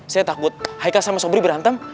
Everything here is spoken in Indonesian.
saya takut haika sama sobri berantem